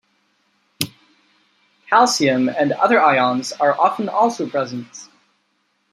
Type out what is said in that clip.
Calcium and other ions are often also present.